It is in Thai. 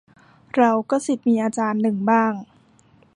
เราก็ศิษย์มีอาจารย์ หนึ่งบ้าง